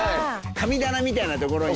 神棚みたいなところに。